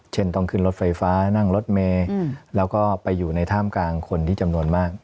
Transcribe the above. เช่นต้องขึ้นรถไฟฟ้านั่งรถเมย์แล้วก็ไปอยู่ในท่ามกลางคนที่จำนวนมาก